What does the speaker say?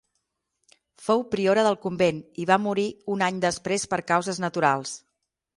Fou priora del convent i va morir un any després per causes naturals.